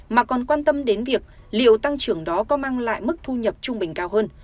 mà còn quan tâm đến việc liệu tăng trưởng đó có mang lại mức thu nhập trung bình cao hơn